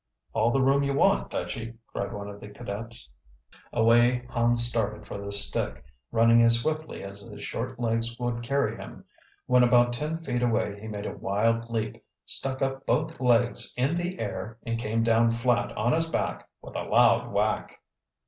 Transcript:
"All the room you want, Dutchy!" cried one of the cadets. Away Hans started for the stick, running as swiftly as his short legs would carry him. When about ten feet away he made a wild leap, stuck up both legs in the air, and came down flat on his back with a loud whack.